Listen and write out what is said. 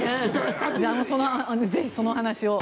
ぜひ、その話を。